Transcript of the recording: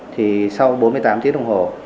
thì sau bốn mươi tám tiếng đồng hồ